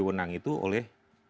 wunang itu oleh